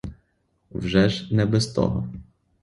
Вже ж не без того.